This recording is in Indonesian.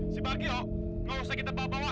si baggio gak usah kita bawa bawa